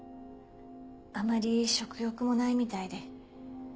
あまり食欲もないみたいで。